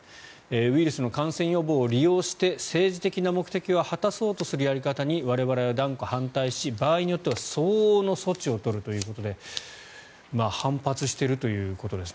ウイルスの感染予防を利用して政治的な目的を果たそうとするやり方に我々は断固反対し場合によっては相応の措置を取るということで反発しているということですね